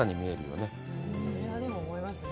うんそれはでも思いますね